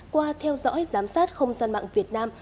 qua theo dõi giám sát không gian mạng việt nam